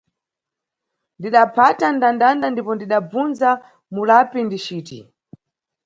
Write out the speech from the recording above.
Ndidaphata m, ndandanda ndipo ndidabvunza mulapi ndiciti.